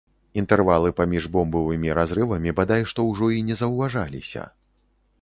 Інтэрвалы паміж бомбавымі разрывамі бадай што ўжо і не заўважаліся.